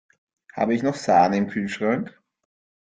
Habe ich noch Sahne im Kühlschrank?